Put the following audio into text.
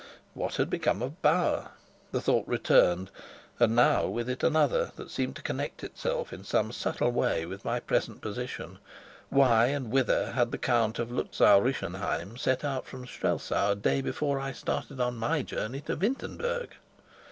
What had become of Bauer? The thought returned, and now with it another, that seemed to connect itself in some subtle way with my present position: why and whither had the Count of Luzau Rischenheim set out from Strelsau a day before I started on my journey to Wintenberg?